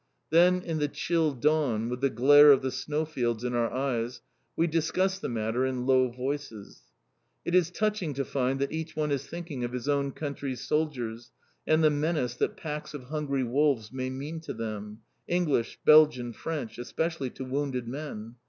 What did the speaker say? Then in the chill dawn, with the glare of the snow fields in our eyes, we discuss the matter in low voices. It is touching to find that each one is thinking of his own country's soldiers, and the menace that packs of hungry wolves may mean to them, English, Belgian, French; especially to wounded men.